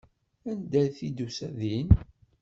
Anda t-id-tusa din.